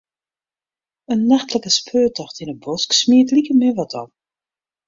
In nachtlike speurtocht yn 'e bosk smiet likemin wat op.